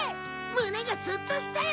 胸がスッとしたよ！